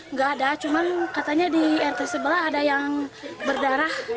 nggak ada cuman katanya di rt sebelah ada yang berdarah